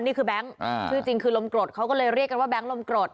แบงค์ชื่อจริงคือลมกรดเขาก็เลยเรียกกันว่าแก๊งลมกรด